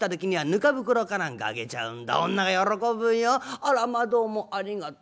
『あらまどうもありがと。